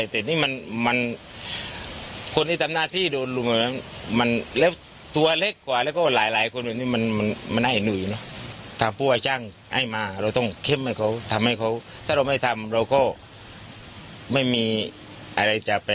เดิมเลยได้ต้องต้องทำไมถ้าเราไม่ทำเราก็ไม่ไปูนตรายไป